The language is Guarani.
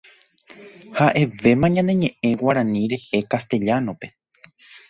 Ha'evéma ñañe'ẽ Guarani rehe Castellano-pe.